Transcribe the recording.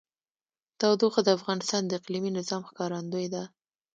تودوخه د افغانستان د اقلیمي نظام ښکارندوی ده.